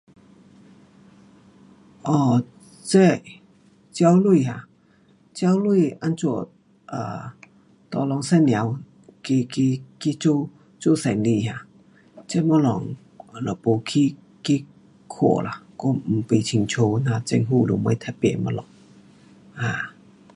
um 这借钱 um 借钱怎样 [um]tolong 妇女去，去，去做，做生意啊，这东西我全没去，去看啦，我都没清楚政府有啥特别的东西。um